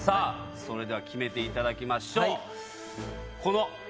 それでは決めていただきましょう。